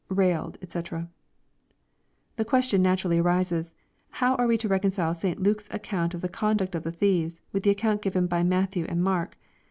railed...^c.'\ The question naturally arises, How are wa to reconcile St. Luke's account of the conduct of the thieves with the account given by Matthew and Mark